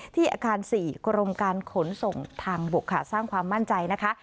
ที่อาคาร๔กรมการขนส่งทางบกค่ะสร้างความมั่นใจนะคะ